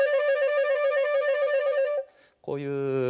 こういう。